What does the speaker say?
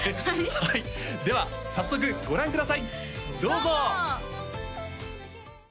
はいでは早速ご覧くださいどうぞ！